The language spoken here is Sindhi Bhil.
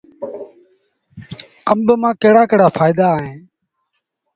آݩب مآݩ ڪهڙآ ڪهڙآ ڦآئيدآ اوهيݩ